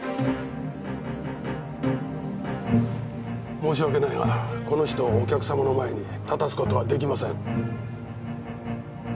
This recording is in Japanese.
申し訳ないがこの人をお客様の前に立たすことはできません。